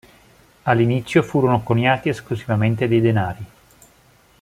All'inizio furono coniati esclusivamente dei denari.